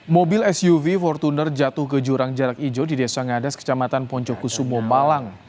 mobil suv fortuner jatuh ke jurang jarak ijo di desa ngadas kecamatan poncokusumo malang